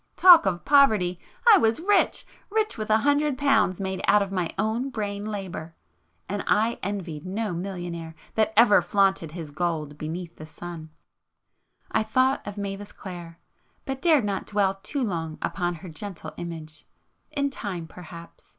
Talk of poverty! I was rich!——rich with a hundred pounds made out of my own brain labour,—and I envied no millionaire that ever flaunted his gold beneath the sun! I thought of Mavis Clare, ... but dared not dwell too long upon her gentle image. In time perhaps